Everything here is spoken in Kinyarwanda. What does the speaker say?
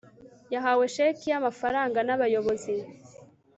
yahawe sheki yamafaranga nabayobozi